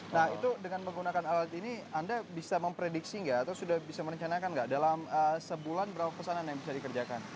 nah itu dengan menggunakan alat ini anda bisa memprediksi nggak atau sudah bisa merencanakan nggak dalam sebulan berapa pesanan yang bisa dikerjakan